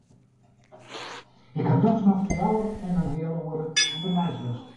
Ik ha dochs noch fjouwer en in heal oere ûnderweis west.